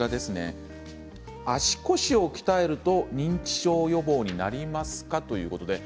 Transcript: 足腰を鍛えると認知症予防になりますか？ということです。